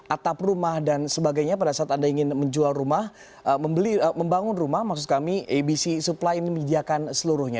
atap rumah dan sebagainya pada saat anda ingin menjual rumah membangun rumah maksud kami abc supply ini menyediakan seluruhnya